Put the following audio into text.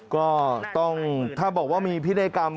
ก็ต้องถ้าบอกว่ามีพินัยกรรม